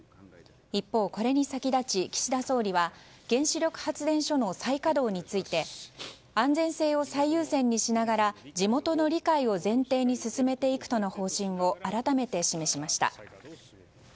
一方、これに先立ち岸田総理は原子力発電所の再稼働について安全性を最優先にしながら地元の理解を前提に進めていくとの方針を改めて示しました。